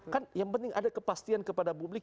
kan yang penting ada kepastian kepada publik